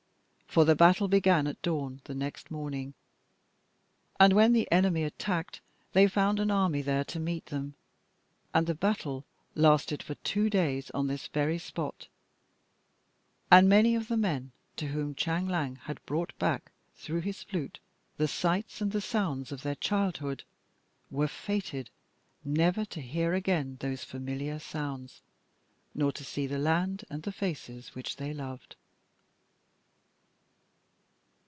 For the battle began at dawn the next morning, and when the enemy attacked they found an army there to meet them; and the battle lasted for two days on this very spot; and many of the men to whom Chang Liang had brought back through his flute the sights and the sounds of their childhood, were fated never to hear again those familiar sounds, nor to see the land and the faces which they loved.